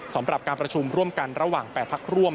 สำหรับการประชุมร่วมกันระหว่าง๘พักร่วม